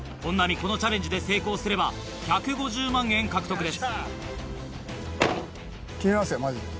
このチャレンジで成功すれば１５０万円獲得です。